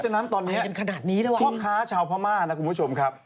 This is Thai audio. ฉะนั้นตอนนี้พ่อค้าชาวพม่านะคุณผู้ชมครับ